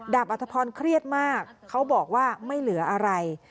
อัธพรเครียดมากเขาบอกว่าไม่เหลืออะไร